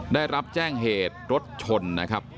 ได้รับแจ้งเหตุรถชนนะครับ